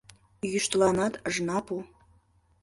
Йӱштыланат ыжна пу